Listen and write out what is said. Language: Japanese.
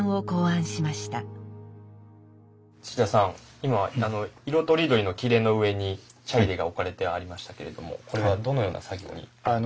今色とりどりの裂の上に茶入が置かれてありましたけれどもこれはどのような作業になるんでしょうか？